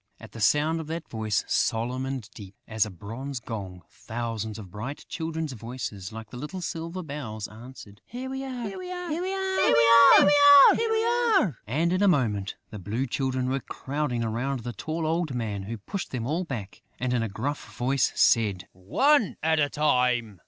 At the sound of that voice, solemn and deep as a bronze gong, thousands of bright children's voices, like little silver bells, answered: "Here we are!... Here we are!... Here we are!..." And, in a moment, the Blue Children were crowding round the tall old man, who pushed them all back and, in a gruff voice, said: "One at a time!...